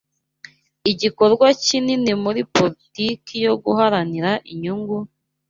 igikorwa Kinini muri politiki yo guharanira inyungu,